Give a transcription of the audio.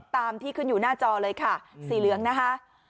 ตามที่ขึ้นอยู่หน้าจอเลยค่ะสีเหลืองนะคะ